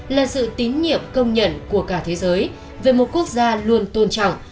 là sự tín nhiệm công nhận của cả thế giới về một quốc gia luôn tôn trọng